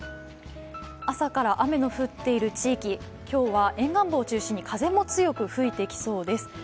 朝から雨の降っている地域、今日は沿岸部を中心に風も強く吹いてきそうです。